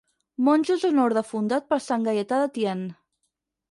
Monjos d'un orde fundat per sant Gaietà de Thiene.